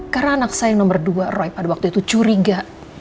karena anak saya nomor dua roy pada waktu itu curiga